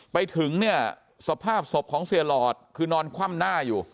ไปถึงเนี่ยสภาพศพของเสียหลอดคือนอนคว่ำหน้าอยู่